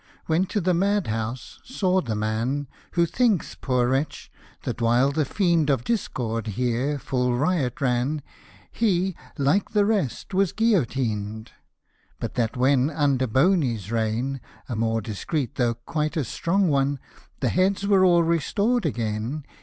Went to the Mad house — saw the man. Who thinks, poor wretch, that, while the Fiend Of Discord here full riot ran, He^ like the rest, was guillotined ;— But that when, under Boney's reign, (A more discreet, though quite as strong one,) The heads were all restored again.